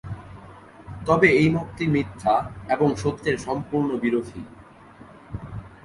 তবে এই মতটি মিথ্যা, এবং সত্যের সম্পূর্ণ বিরোধী।